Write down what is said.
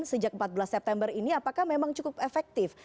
sejak empat belas september ini apakah memang cukup efektif